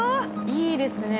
いいですね